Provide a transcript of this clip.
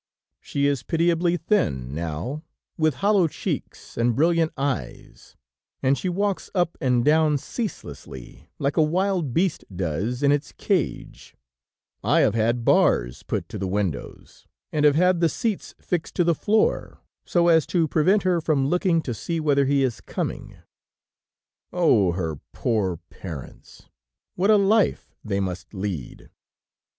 She is pitiably thin now, with hollow cheeks and brilliant eyes, and she walks up and down ceaselessly, like a wild beast does in its cage; I have had bars put to the windows, and have had the seats fixed to the floor, so as to prevent her from looking to see whether he is coming. "Oh! her poor parents! What a life they must lead!"